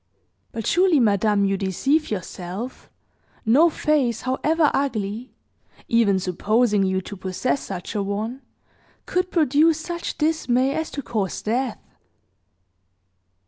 But surely, madame, you deceive yourself; no face, however ugly even supposing you to possess such a one could produce such dismay as to cause death."